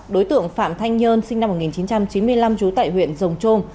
đối tượng phạm thanh nhơn sinh năm một nghìn chín trăm chín mươi năm trú tại huyện rồng trôm